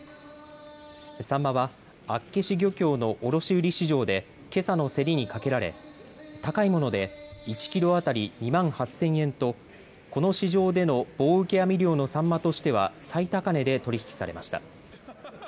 サンマは厚岸漁協の卸売市場でけさの競りにかけられ高いもので１キロ当たり２万８０００円とこの市場での棒受け網漁のサンマとしては最高値で取り引きされました。